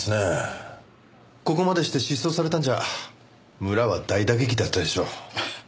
ここまでして失踪されたんじゃ村は大打撃だったでしょう。